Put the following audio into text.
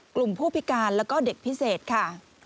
ผู้พิการแล้วก็เด็กพิเศษค่ะ